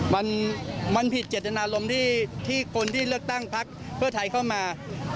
มันผิดเจตนารมณ์ที่คนที่เลือกตั้งพักเพื่อไทยเข้ามา